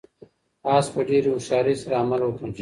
آس په ډېرې هوښیارۍ سره عمل وکړ.